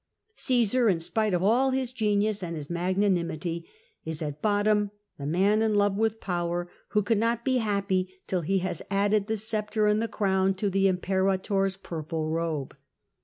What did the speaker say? CiXisar, in spite of all his genius and his magnanimity, is at bottom the man in love with power, who cannot be happy till he has added the sceptre and the crown to the iinpera tor's purple robe.